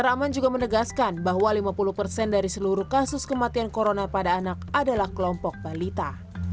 raman juga menegaskan bahwa lima puluh persen dari seluruh kasus kematian corona pada anak adalah kelompok balita